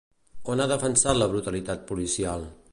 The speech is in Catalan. On ha defensat la brutalitat policial?